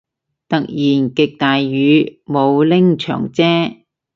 突然極大雨，冇拎長遮